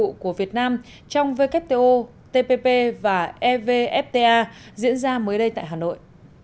các cam kết của việt nam trong wto tpp và evfta diễn ra mới đây tại hà nội